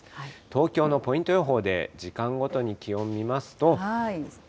東京のポイント予報で時間ごとに気温見ますと。